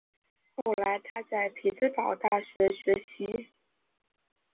后来他在匹兹堡大学学习。